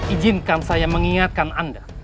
ijinkan saya mengingatkan anda